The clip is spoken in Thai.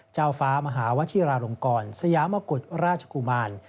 เจ้าฟ้ามหาวชิราลงกรสยามกุฎราชกุมาร